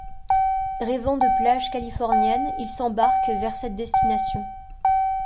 Rêvant de plages californiennes, ils s'embarquent vers cette destination.